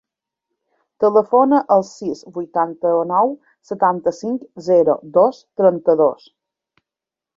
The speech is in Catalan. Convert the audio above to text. Telefona al sis, vuitanta-nou, setanta-cinc, zero, dos, trenta-dos.